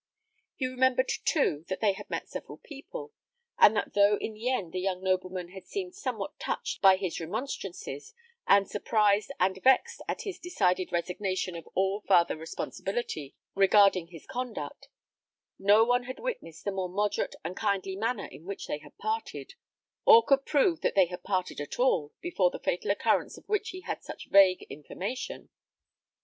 He remembered, too, that they had met several people, and that though in the end the young nobleman had seemed somewhat touched by his remonstrances, and surprised and vexed at his decided resignation of all farther responsibility regarding his conduct, no one had witnessed the more moderate and kindly manner in which they had parted, or could prove that they had parted at all before the fatal occurrence of which he had such vague information.